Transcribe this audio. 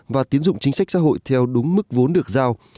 và tiến dụng chính sách xã hội theo đúng mức vốn được giao